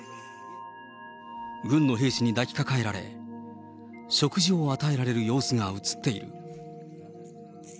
軍の兵士に抱きかかえられ、食事を与えられる様子が写っている。